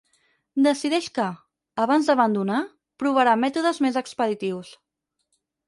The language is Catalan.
Decideix que, abans d'abandonar, provarà mètodes més expeditius.